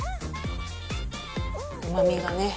うまみがね